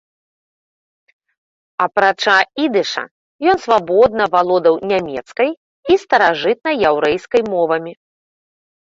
Апрача ідыша, ён свабодна валодаў нямецкай і старажытнаяўрэйскай мовамі.